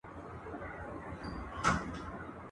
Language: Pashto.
هر پاچا ورته لېږله سوغاتونه !.